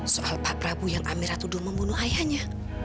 soal pak prabu yang amira tuduh membunuh ayahnya